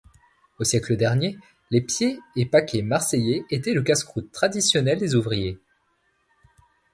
Au siècle dernier, les pieds et paquets marseillais étaient le casse-croûte traditionnel des ouvriers.